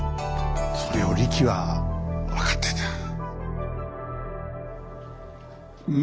それをリキは分かってた。